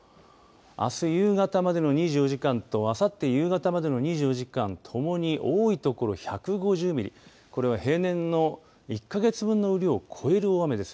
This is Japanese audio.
あす夕方までの２４時間とあさって夕方までの２４時間ともに多いところ、１５０ミリこれは平年の１か月分の雨量を超える大雨です。